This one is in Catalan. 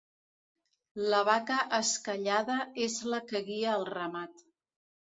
La vaca esquellada és la que guia el ramat.